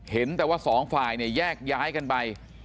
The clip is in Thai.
เห็นแต่ว่าสองฝ่ายเนี่ยแยกย้ายกันไป